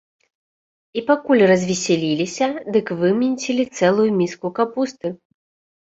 І пакуль развесяліліся, дык выменцілі цэлую міску капусты.